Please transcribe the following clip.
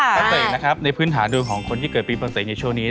ปีเมื่อเสียงนะครับในพื้นฐานดูของคนที่เกิดปีเมื่อเสียงในช่วงนี้